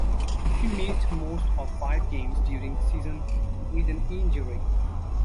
He missed most of five games during the season with an injury.